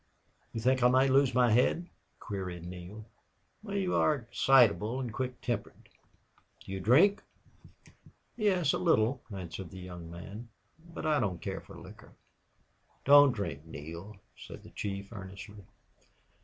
"You think I might lose my head?" queried Neale. "You are excitable and quick tempered. Do you drink?" "Yes a little," answered the young man. "But I don't care for liquor." "Don't drink, Neale," said the chief, earnestly.